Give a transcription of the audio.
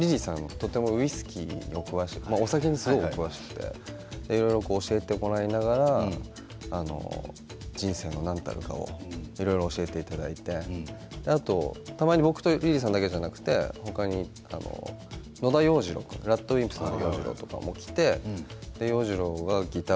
とてもウイスキーにお詳しくてお酒にお詳しくていろいろ教えてもらいながら人生の何たるかをいろいろ教えていただいてあと、たまに僕とリリーさんだけではなく他に野田洋次郎君ＲＡＤＷＩＭＰＳの。